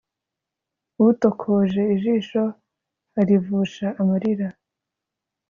Utokoje ijisho, arivusha amarira,